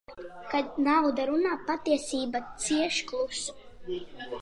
Kad nauda runā, patiesība cieš klusu.